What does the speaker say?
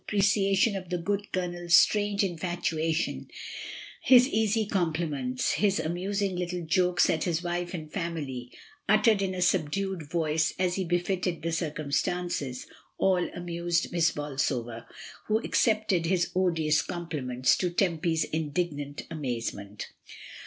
preciation of the good Colonel's strange infatuation, his easy compliments, his amusing little jokes at his wife and family, uttered in a subdued voice as be fitted the circumstances, all amused Miss Bolsover, who accepted his odious compliments to Temp/s indignant amazement.